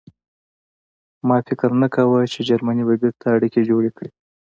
ما فکر نه کاوه چې جرمني به بېرته اړیکې جوړې کړي